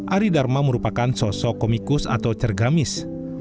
arie darmalah merupakan sosok komikus atau cergamis